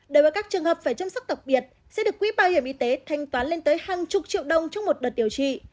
đối với các trường hợp phải chăm sóc đặc biệt sẽ được quỹ bảo hiểm y tế thanh toán lên tới hàng chục triệu đồng trong một đợt điều trị